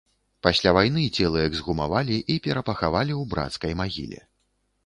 Пасля вайны целы эксгумавалі і перапахавалі ў брацкай магіле.